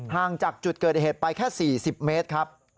ห่างจากจุดเกิดเหตุไปแค่๔๐เมตรครับ